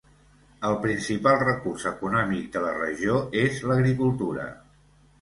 El principal recurs econòmic de la regió és l'agricultura.